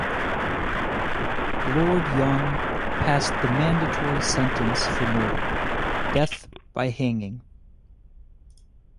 Lord Young passed the mandatory sentence for murder: death by hanging.